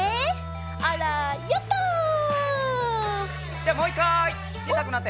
じゃあもう１かいちいさくなって。